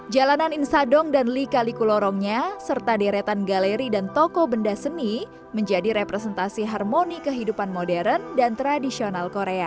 jalanan insadong dan lika liku lorongnya serta deretan galeri dan toko benda seni menjadi representasi harmoni kehidupan modern dan tradisional korea